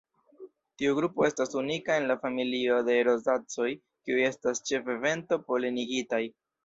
Tiu grupo estas unika en la familio de Rozacoj kiuj estas ĉefe vento-polenigitaj.